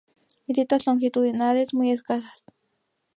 Grietas longitudinales muy escasas.